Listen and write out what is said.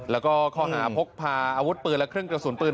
แล้วก็ข้อหาพกพาอาวุธปืนและเครื่องกระสุนปืน